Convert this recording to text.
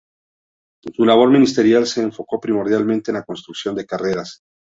Su labor ministerial se enfocó primordialmente en la construcción de carreteras.